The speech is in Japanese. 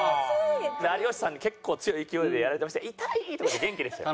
有吉さんに結構強い勢いでやられてましたけど「痛い！」とかって元気でしたよ。